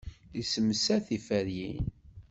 Yessemsad tiferyin.